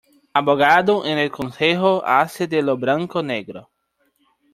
Abogado en el concejo hace de lo blanco negro.